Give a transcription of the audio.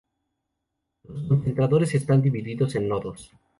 Los concentradores están divididos en nodos.